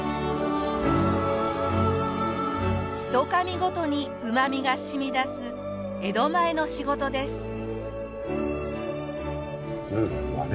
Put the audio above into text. ひと噛みごとにうまみがしみ出す江戸前の仕事です。